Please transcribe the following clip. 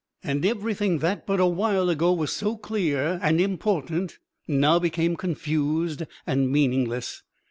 And everything that, but a while ago, was so clear and important now became confused and meaningless.